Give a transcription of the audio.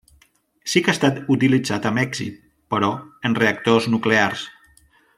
Sí que ha estat utilitzat amb èxit, però, en reactors nuclears.